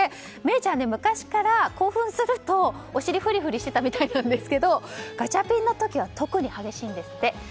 めいちゃん、昔から興奮するとお尻フリフリしてたみたいなんですけどガチャピンの時は特に激しいんですって。